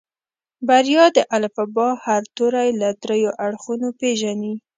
بريا د الفبا هر توری له دريو اړخونو پېژني.